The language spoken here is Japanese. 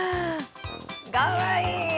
かわいい！